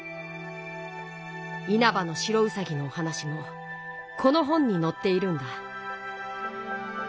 「いなばの白うさぎ」のおはなしもこの本にのっているんだ。